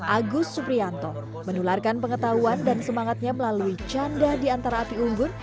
agus suprianto menularkan pengetahuan dan semangatnya melalui canda di antara api unggun